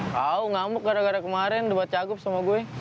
kau ngamuk gara gara kemarin dibuat cagup sama gue